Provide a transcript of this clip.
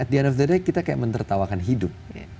di akhir hari kita kayak menertawakan hidup